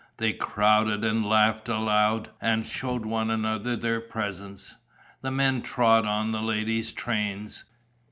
They crowded and laughed aloud and showed one another their presents; the men trod on the ladies' trains.